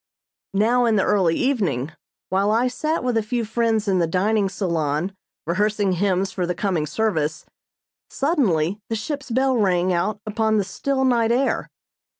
Now in the early evening, while I sat with a few friends in the dining salon rehearsing hymns for the coming service, suddenly the ship's bell rang out upon the still night air.